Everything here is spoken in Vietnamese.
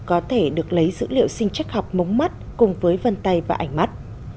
có thể được lấy dữ liệu sinh chắc học mống mắt cùng với vân tay và ảnh mắt